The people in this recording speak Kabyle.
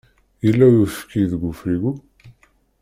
Yella uyefki deg ufrigu?